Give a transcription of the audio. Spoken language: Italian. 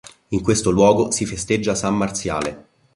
In questo luogo si festeggia San Marziale.